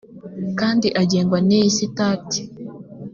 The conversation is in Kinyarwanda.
kandi agengwa n iyi sitati